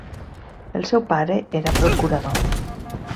El seu pare era procurador.